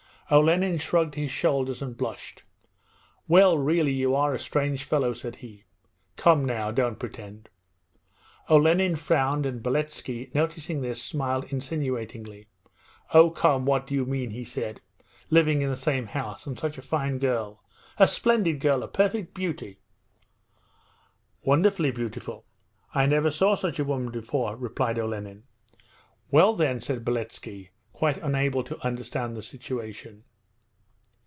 Olenin shrugged his shoulders and blushed. 'Well, really you are a strange fellow!' said he. 'Come now, don't pretend' Olenin frowned, and Beletski noticing this smiled insinuatingly. 'Oh, come, what do you mean?' he said, 'living in the same house and such a fine girl, a splendid girl, a perfect beauty.' 'Wonderfully beautiful! I never saw such a woman before,' replied Olenin. 'Well then?' said Beletski, quite unable to understand the situation.